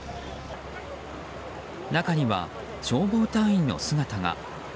中には消防隊員の姿が。